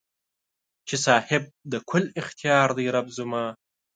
چې صاحب د کل اختیار دې رب زما